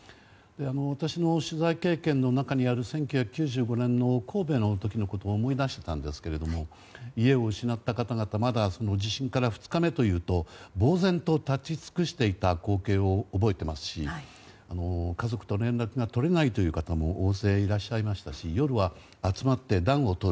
私の取材経験の中にある１９９５年の神戸の地震を思い出したんですけど家を失った方々地震から２日目というとぼうぜんと立ち尽くしていた光景を覚えていますし家族と連絡が取れないという方も大勢いらっしゃいましたし夜は、集まって暖をとる。